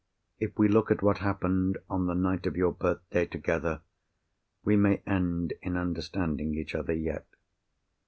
If we look at what happened on the night of your birthday together, we may end in understanding each other yet."